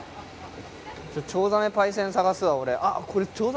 チョウザメパイセン探すわ俺。